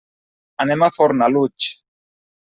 Anem a Fornalutx.